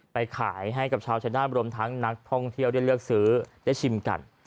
ไปขายให้กับชาวชายนาฏรวมทั้งนักท่องเที่ยวได้เลือกซื้อได้ชิมกัน